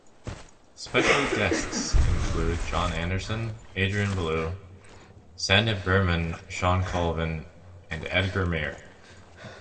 Special guests include Jon Anderson, Adrian Belew, Sandip Burman, Shawn Colvin and Edgar Meyer.